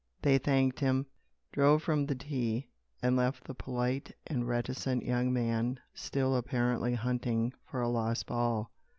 They thanked him, drove from the tee, and left the polite and reticent young man still apparently hunting for a lost ball.